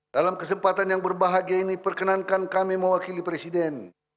dalam kesempatan yang berbahagia ini perkenankan kami mewakili presiden